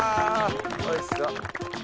おいしそう。